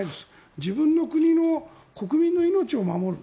自分の国の国民の命を守る。